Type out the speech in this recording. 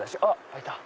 開いた！